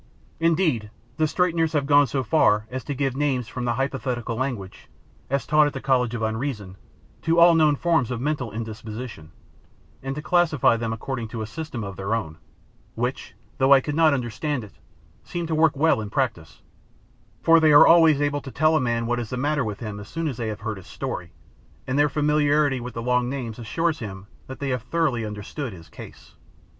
Indeed, the straighteners have gone so far as to give names from the hypothetical language (as taught at the Colleges of Unreason), to all known forms of mental indisposition, and to classify them according to a system of their own, which, though I could not understand it, seemed to work well in practice; for they are always able to tell a man what is the matter with him as soon as they have heard his story, and their familiarity with the long names assures him that they thoroughly understand his case.